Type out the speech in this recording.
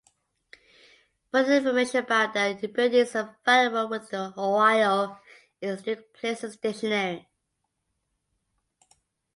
Further information about the building is available within the "Ohio Historic Places Dictionary".